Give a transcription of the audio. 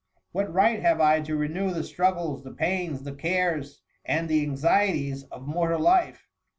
What right have I to renew the struggles, the pains, the cares, and the anxieties of mortal life?